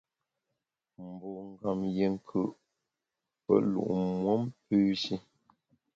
Mbungam yié nkù’, pe lu’ muom pü shi.